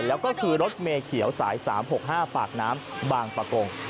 เห็นว่าพฤติกรรมเป็นอย่างไรแล้วก็คือรถเมย์เขียวสาย๓๖๕ปากน้ำบางปาก็ง